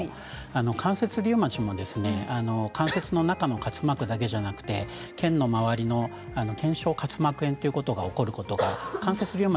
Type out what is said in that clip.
関節リウマチも関節の中の滑膜だけではなくて腱の周りの腱鞘滑膜炎ということが起こることがあります。